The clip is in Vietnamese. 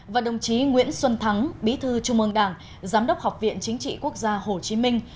và đồng chí nguyễn xuân thắng bí thư trung ương đảng giám đốc học viện chính trị quốc gia hồ chí minh